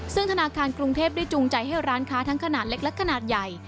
ซึ่งธนาคารกรุงเทพได้จูงใจให้ร้านค้าทั้งขนาดเล็กและขนาดใหญ่